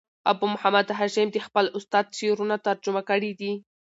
ابو محمد هاشم دخپل استاد شعرونه ترجمه کړي دي.